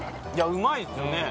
うまいっすよね。